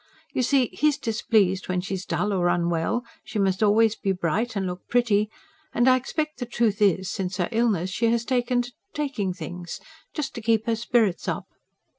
You see he's displeased when she's dull or unwell; she must always be bright and look pretty; and I expect the truth is, since her illness she has taken to taking things, just to keep her spirits up."